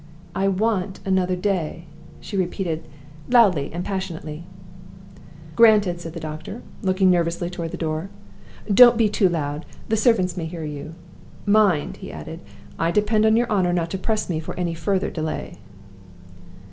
"I want another day!" she repeated, loudly and passionately. "Granted!" said the doctor, looking nervously toward the door. "Don't be too loud the servants may hear you. Mind!" he added, "I depend on your honor not to press me for any further delay."